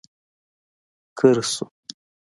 ګررر شو.